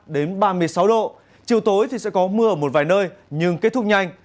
đến ba mươi sáu độ chiều tối thì sẽ có mưa ở một vài nơi nhưng kết thúc nhanh